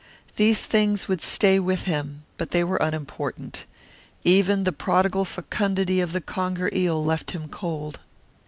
These things would stay with him, but they were unimportant. Even the prodigal fecundity of the conger eel left him cold.